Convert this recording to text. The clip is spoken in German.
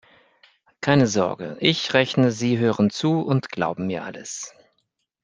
Keine Sorge: Ich rechne, Sie hören zu und glauben mir alles.